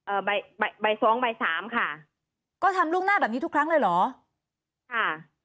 ใบใบฟ้องใบสามค่ะก็ทำล่วงหน้าแบบนี้ทุกครั้งเลยเหรอค่ะ